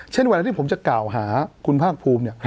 เช่นเวลาที่ผมจะกล่าวหาคุณภาพภูมิ